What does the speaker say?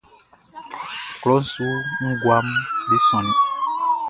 Klɔʼn su guaʼm be sonnin.